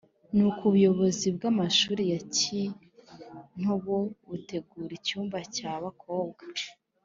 nuko ubuyobozi bwa mashuri ya kintobo butegura icyumba cya bakobwa